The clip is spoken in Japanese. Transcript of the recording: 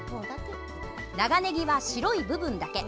長ねぎは白い部分だけ。